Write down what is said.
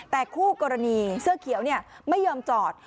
แต่คู่กรณีเสื้อเขียวเนี่ยไม่เยินจอด